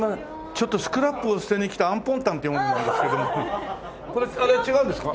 ちょっとスクラップを捨てに来たアンポンタンっていう者なんですけどこれ違うんですか？